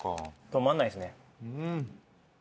止まんないですね。